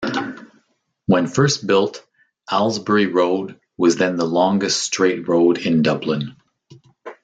When first built, Ailesbury road was then the longest straight road in Dublin.